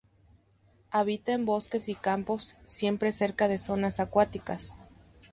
Habita en bosques y campos, siempre cerca de zonas acuáticas.